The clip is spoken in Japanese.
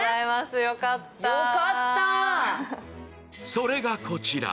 それがこちら。